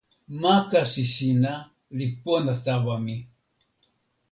ma kasi sina li pona tawa mi.